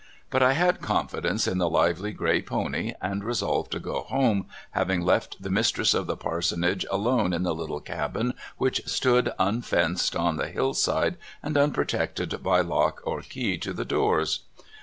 But I had confidence in the lively gray pony, and resolved to go home, having left the mistress of the parsonage alone in the little cabin which stood unfenced on the hillside, and unprotected by lock or key to the doors.